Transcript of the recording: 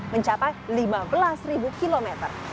mencapai lima belas km